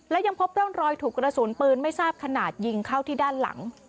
และยังพบร่องรอยถูกกระสุนปืนไม่ทราบขนาดยิงเข้าที่ด้านหลัง